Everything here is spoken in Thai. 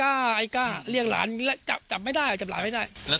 ้าออิค้าเรียงหลานนี้และจับไม่ได้เจ็บหลานไม่ได้แล้ว